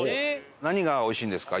何がおいしいんですか？